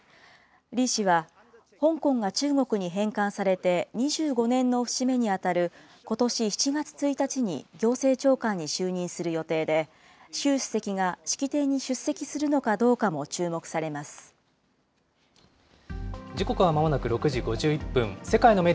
李氏は香港が中国に返還されて２５年の節目に当たることし７月１日に行政長官に就任する予定で、習主席が式典に出席するのかどう時刻はまもなく６時５１分。